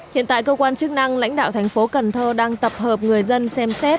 hiện tại cơ quan chức năng lãnh đạo thành phố cần thơ đang tập hợp người dân xem xét